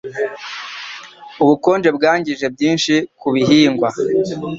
Ubukonje bwangije byinshi ku bihingwa.